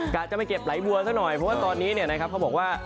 จะไปเก็บไหลบัวซะหน่อยเพราะว่าตอนนี้เนี่ยนะครับเขาบอกว่า